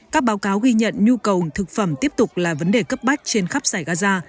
các báo cáo ghi nhận nhu cầu thực phẩm tiếp tục là vấn đề cấp bách trên khắp giải gaza